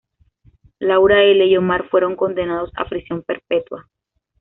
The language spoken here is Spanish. Laura L. y Omar fueron condenados a prisión perpetua.